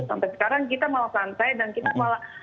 sampai sekarang kita malah santai dan kita malah